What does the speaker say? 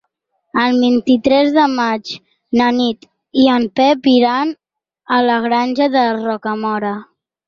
El vint-i-tres de maig na Nit i en Pep iran a la Granja de Rocamora.